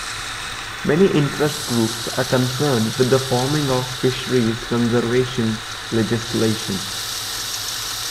Many interest groups are concerned with the forming of fisheries conservation legislation.